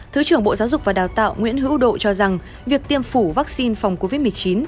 thứ trưởng bộ giáo dục và đào tạo nguyễn hữu độ cho rằng việc tiêm chủng vaccine phòng covid một mươi chín